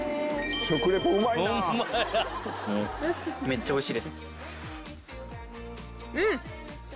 めっちゃおいしいです。